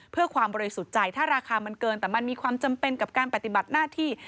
เพื่อความบริสุทธิ์ใจถ้าราคามันเกินแต่มันมีความจำเป็นกับการปฏิบัติหน้าที่